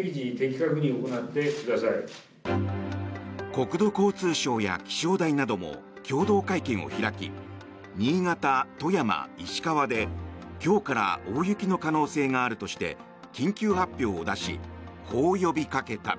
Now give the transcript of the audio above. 国土交通省や気象台なども共同会見を開き新潟、富山、石川で、今日から大雪の可能性があるとして緊急発表を出しこう呼びかけた。